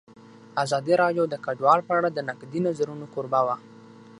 ازادي راډیو د کډوال په اړه د نقدي نظرونو کوربه وه.